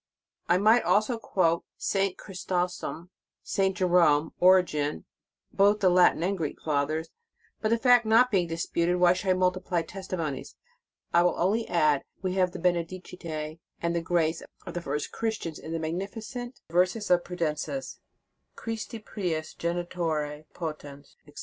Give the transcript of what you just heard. f I might also quote St. Chrysostom, St. Jerome, Origen, both the Latin and Greek Fathers ;J but the fact not being disputed, why should I multiply testimonies? I will only add, that we have the Benedicite and Grace of the first Christians in the mag nificent verses of Prudentius: Christi prius Genitore potens, etc.